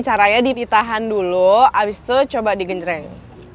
caranya diitahan dulu abis itu coba digenjreng